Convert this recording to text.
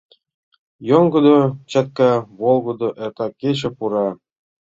Йоҥгыдо, чатка, волгыдо, эртак кече пура.